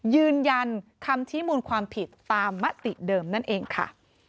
ยืนยันคำชี้มูลความผิดตามมติเดิมนั่นเองค่ะ